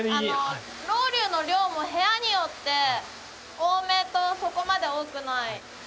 ロウリュの量も部屋によって多めとそこまで多くない部屋があって。